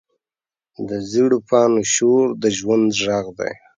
د زېړ پاڼو شور د ژوند غږ دی